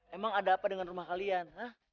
emang ada apa dengan rumah kalian